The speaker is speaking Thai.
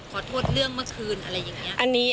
ขอโทษเรื่องเมื่อคืนอะไรอย่างนี้